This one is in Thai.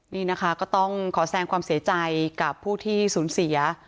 นี่นะคะก็ต้องขอแสงความเสียใจกับผู้ที่สูญเสีย